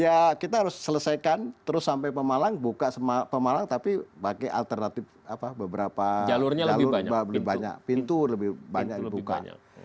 ya kita harus selesaikan terus sampai pemalang buka pemalang tapi pakai alternatif beberapa jalur lebih banyak pintu lebih banyak dibuka